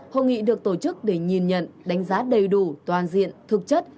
hội nghị được tổ chức để nhìn nhận đánh giá đầy đủ toàn diện thực chất